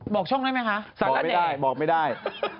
บอกไม่ได้